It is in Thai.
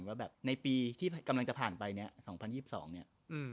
ว่าแบบในปีที่กำลังจะผ่านไปเนี่ย๒๐๒๒เนี่ย